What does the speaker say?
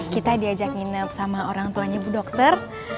kita diajak nginep sama orang tuanya bu dokter